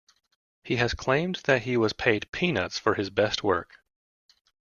He has claimed that he was paid "peanuts" for his best work.